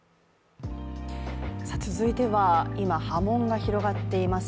続いては、今波紋が広がっています